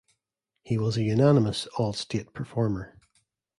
He was a unanimous all-state performer.